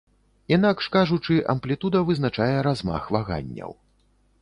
Інакш кажучы, амплітуда вызначае размах ваганняў.